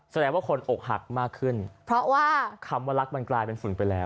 แสดงว่าคนอกหักมากขึ้นเพราะว่าคำว่ารักมันกลายเป็นฝุ่นไปแล้ว